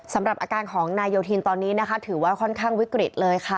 สำหรับอาการของนายโยธีนนี่ถือว่าค่อนข้างวิกฤตค่ะ